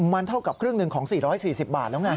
มันเท่ากับครึ่งหนึ่งของ๔๔๐บาทแล้วไง